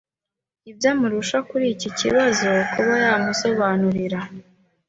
ibyo amurusha kuri iki kibazo kuba yamusobanurira